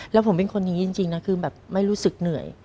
แล้วผมเป็นคนนี้จริงนะคือแบบไม่รู้สึกเหนื่อย